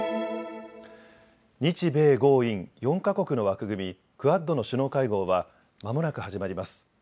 日米豪印４か国の枠組みクアッドの首脳会合はまもなく始まります。